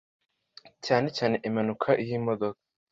cyane cyane impanuka iy’imodoka